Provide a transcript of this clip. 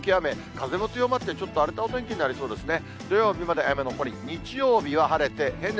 風も強まってちょっと荒れたお天気になりそうですね。